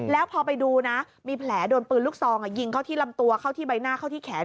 แล้วพอไปดูนะมีแผลโดนปืนลูกซองยิงเข้าที่ลำตัวเข้าที่ใบหน้าเข้าที่แขน